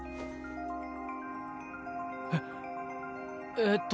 ええっと。